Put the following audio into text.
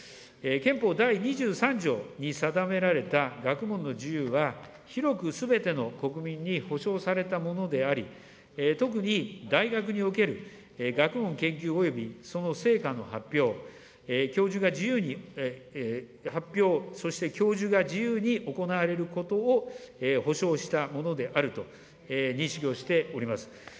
憲法第２３条に定められた学問の自由は、広くすべての国民に保障されたものであり、特に大学における学問研究及びその成果の発表、教授が自由に発表、そして教授が自由に行えることを保障したものであると認識をしております。